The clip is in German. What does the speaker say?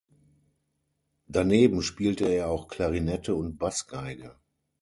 Daneben spielte er auch Klarinette und Bassgeige.